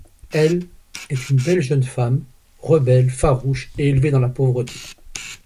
Elle, est une belle jeune femme, rebelle, farouche, et élevée dans la pauvreté.